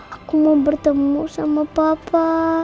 aku mau bertemu sama papa